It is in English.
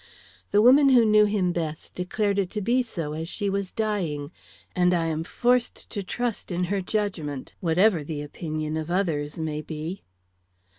"The woman who knew him best declared it to be so as she was dying; and I am forced to trust in her judgment, whatever the opinion of others may be."